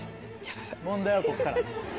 問題はこっから。